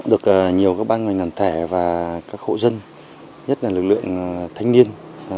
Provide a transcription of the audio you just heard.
được nhiều các ban ngành đàn tẻ và các hộ dân nhất là lực lượng thanh niên